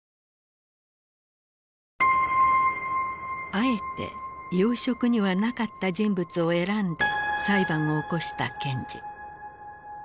あえて要職にはなかった人物を選んで裁判を起こした検事。